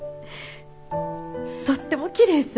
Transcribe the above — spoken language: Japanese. とってもきれいさ。